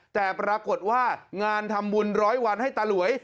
แต่ปรากฏว่างานทำบุญร้อยวันให้ตาหลวย